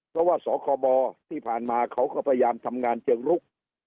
เพราะว่าสคบที่ผ่านมาเขาก็พยายามทำงานเชิงลุก